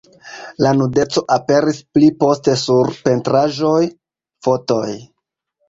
La nudeco aperis pli poste sur pentraĵoj, fotoj.